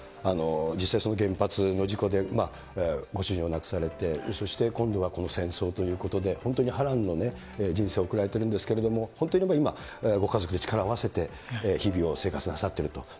実際、その原発の事故でご主人を亡くされて、そして今度はこの戦争ということで、本当に波乱の人生を送られているんですけれども、本当をいえば今、ご家族で力を合わせて日々を生活なさっていると。